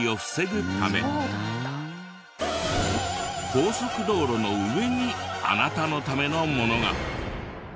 高速道路の上にあなたのためのものが。